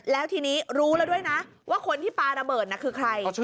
แล้วทีนี้รู้แล้วด้วยนะว่าคนที่ปลาระเบิดน่ะคือใคร